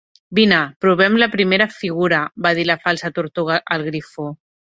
"Vine, provem la primera figura", va dir la Falsa Tortuga al Grifó.